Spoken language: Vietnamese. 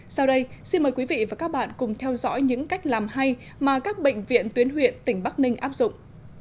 sau đây xin mời quý vị và các bạn cùng theo dõi những cách làm hay mà các bệnh viện tuyến huyện tỉnh bắc ninh áp dụng